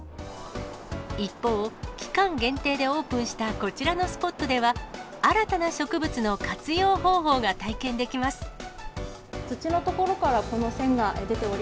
一方、期間限定でオープンしたこちらのスポットでは、新たな植物の活用方法が体験できます。